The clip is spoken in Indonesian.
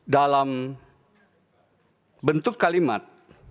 dalam bentuk kalimat